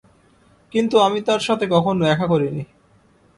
কিন্তু আমি তার সাথে কখনো দেখা করিনি।